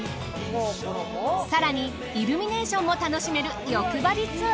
更にイルミネーションも楽しめる欲張りツアー。